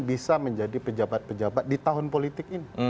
bisa menjadi pejabat pejabat di tahun politik ini